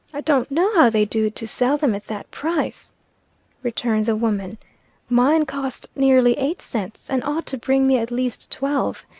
"Don't know how they do to sell them at that price," returned the woman. "Mine cost nearly eight cents, and ought to bring me at least twelve.